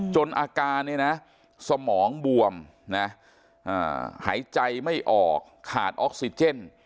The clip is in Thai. จนอาการเนี่ยนะสมองบวมนะหายใจไม่ออกขาดออกซิเจน